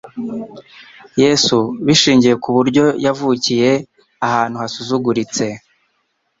Yesu bishingiye ku buryo yavukiye ahantu hasuzuguritse